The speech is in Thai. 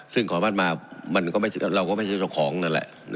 ซึ่งขออนุมัติมาเราก็ไม่ใช่ของนั่นแหละ